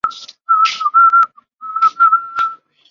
过年回乡下外公家